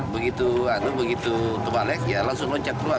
begitu begitu terbalik ya langsung lonceng keluar